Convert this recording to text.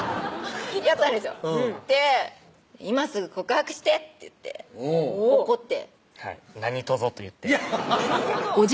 って「今すぐ告白して！」って言って怒ってはい「何とぞ」と言って「何とぞ」